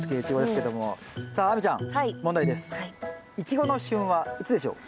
イチゴの旬はいつでしょう？